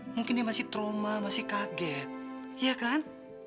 mungkin dia masih trauma masih kaget ya kan